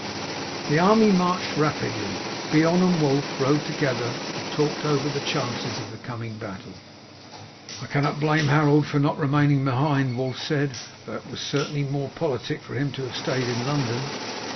The army marched rapidly. Beorn and Wulf rode together, and talked over the chances of the coming battle. "I cannot blame Harold for not remaining behind," Wulf said, "though it were certainly more politic for him to have stayed in London.